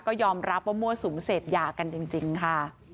ก็ยอมรับว่ามั่วสุมเสพยากันจริงค่ะ